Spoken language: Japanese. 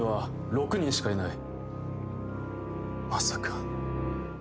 まさか。